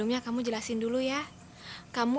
makasih ya bu